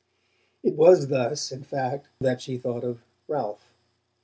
It was thus, in fact, that she thought of Ralph.